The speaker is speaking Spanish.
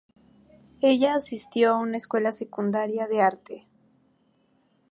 Ella asistió a una escuela secundaria de arte.